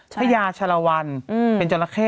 ทะยาชะระวัลเป็นจนละเข้